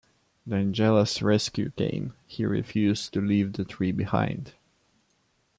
When Jela's rescue came, he refused to leave the tree behind.